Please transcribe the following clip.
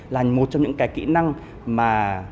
là một trong những cái kỹ năng mà